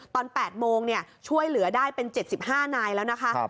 ตอน๘โมงช่วยเหลือได้เป็น๗๕นายแล้วนะคะ